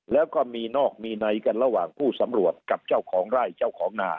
แล้วก็มีนอกมีในกันระหว่างผู้สำรวจกับเจ้าของไร่เจ้าของนา